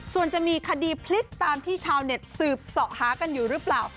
ส่วนจะมีคดีพลิกตามที่ชาวเน็ตสืบเสาะหากันอยู่หรือเปล่า